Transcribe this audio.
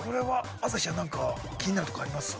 朝日ちゃん、何か気になるところはありますか。